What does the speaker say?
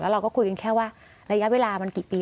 เราก็คุยกันแค่ว่าระยะเวลามันกี่ปี